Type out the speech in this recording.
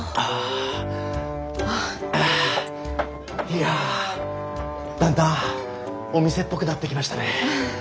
いやだんだんお店っぽくなってきましたね。